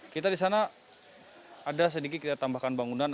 kita di sana ada sedikit kita tambahkan bangunan